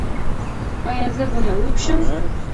ایا زه به معیوب شم؟